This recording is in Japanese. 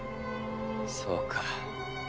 そうか。